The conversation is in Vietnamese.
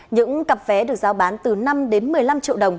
những cặp vé được giao bán từ năm đến một mươi năm triệu đồng